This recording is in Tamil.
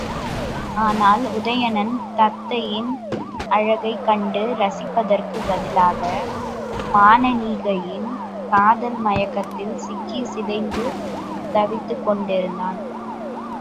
ஆனால், உதயணன் தத்தையின் அழகைக் கண்டு இரசிப்பதற்குப் பதிலாக, மானனீகையின் காதல் மயக்கத்தில் சிக்கிச் சிதைந்து தவித்துக் கொண்டிருந்தான்.